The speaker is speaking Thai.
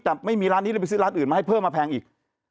แต่ไม่มีร้านนี้เลยไปซื้อร้านอื่นมาให้เพิ่มมาแพงอีก